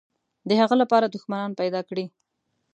د هغه لپاره دښمنان پیدا کړي.